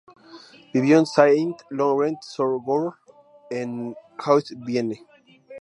Vivió en Saint-Laurent-sur-Gorre, en Haute-Vienne.